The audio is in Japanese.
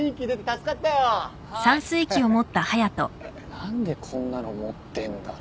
何でこんなの持ってんだろう。